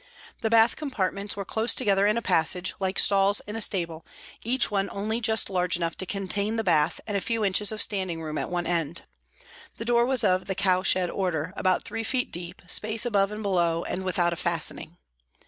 The bath compartments were close together in a passage, like stalls in a stable, each one only just large enough to contain the bath and a few inches of standing room at one end. The door was of the cow shed order, about three feet deep, space above and below, and without a fastening.